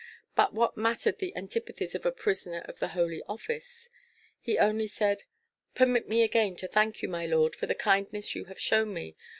But what mattered the antipathies of a prisoner of the Holy Office? He only said, "Permit me again to thank you, my lord, for the kindness you have shown me.